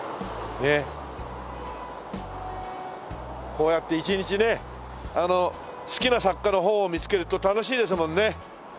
こうやって一日ね好きな作家の本を見つけると楽しいですもんね。